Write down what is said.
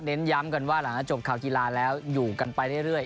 ย้ำกันว่าหลังจากจบข่าวกีฬาแล้วอยู่กันไปเรื่อย